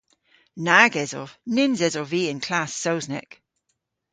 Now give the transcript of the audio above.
Nag esov. Nyns esov vy y'n klass Sowsnek.